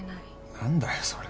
何だよそれ。